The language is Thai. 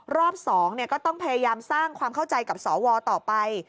รอบ๒ก็ต้องพยายามสร้างความเข้าใจกับสวต่อไป